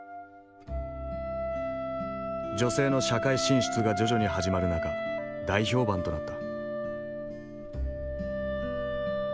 女性の社会進出が徐々に始まる中大評判となった。